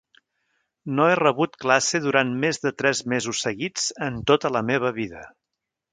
No he rebut classe durant més de tres mesos seguits en tota la meva vida.